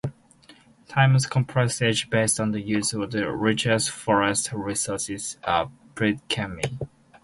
Timber Complex edge based on the use of the richest forest resources of Prikamye.